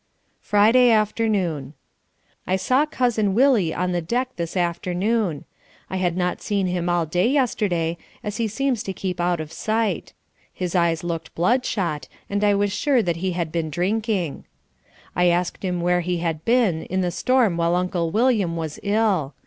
Friday afternoon I saw Cousin Willie on the deck this afternoon. I had not seen him all day yesterday as he seems to keep out of sight. His eyes looked bloodshot and I was sure that he had been drinking. I asked him where he had been in the storm while Uncle William was ill.